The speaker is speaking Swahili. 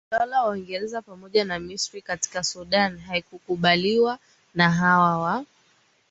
utawala ya uingereza pamoja na misri katika sudan haikukuubaliwa na hawa wa